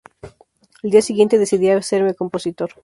Al día siguiente, decidí hacerme compositor.